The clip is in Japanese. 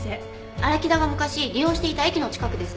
荒木田が昔利用していた駅の近くです。